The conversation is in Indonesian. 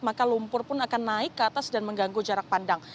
maka lumpur pun akan naik ke atas dan mengganggu jarak pandang